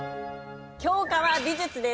教科は美術です。